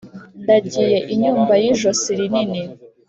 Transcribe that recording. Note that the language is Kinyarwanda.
Ndagiye inyumba y'ijosi rinini,